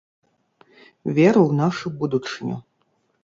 Веру ў нашу будучыню!